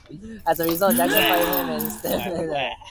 As a result, Jackson fired him in September.